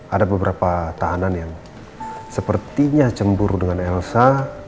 ada beberapa tahanan yang sepertinya cemburu dengan elsa